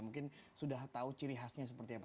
mungkin sudah tahu ciri khasnya seperti apa